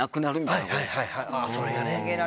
それがね。